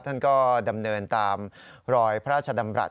ท่านก็ดำเนินตามรอยพระราชดำรัฐ